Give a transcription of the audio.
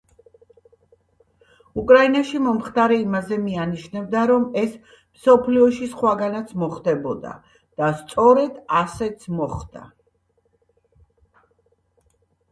უკრაინაში მომხდარი იმაზე მიანიშნებდა, რომ ეს მსოფლიოში სხვაგანაც მოხდებოდა და სწორედ ასეც მოხდა.